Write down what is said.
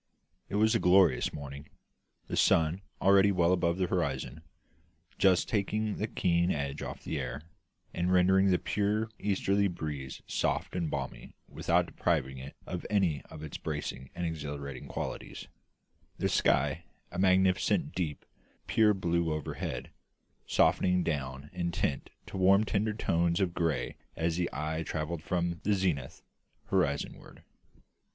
It was a glorious morning; the sun, already well above the horizon, just taking the keen edge off the air, and rendering the pure easterly breeze soft and balmy without depriving it of any of its bracing and exhilarating qualities; the sky a magnificent, deep, pure blue overhead, softening down in tint to warm tender tones of grey as the eye travelled from the zenith, horizon ward.